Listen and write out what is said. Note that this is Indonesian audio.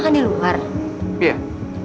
aku mau ke rumah